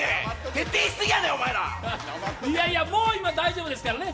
徹底しすぎやで、お前ら！いやいや、もう今、大丈夫ですからね。